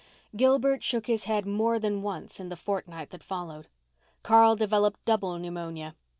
Gilbert shook his head more than once in the fortnight that followed. Carl developed double pneumonia.